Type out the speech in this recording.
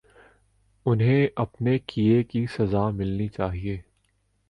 انہیں اپنے کیے کی سزا ملنی چاہیے۔